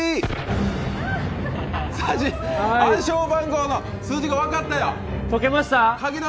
暗証番号の数字が分かったよ。